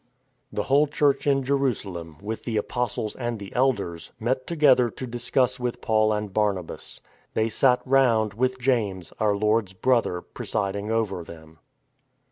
The whole Church in Jerusalem — with the apostles and the elders — met together to discuss with Paul and Barnabas. They sat round, with James, our Lord's brother, presiding over them.